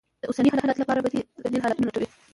د اوسني حالت لپاره بدي ل حالتونه لټوي.